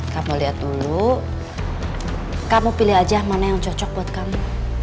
kamu lihat dulu kamu pilih aja mana yang cocok buat kamu